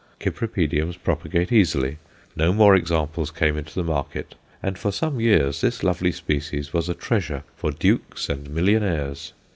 Cypripediums propagate easily, no more examples came into the market, and for some years this lovely species was a treasure for dukes and millionaires.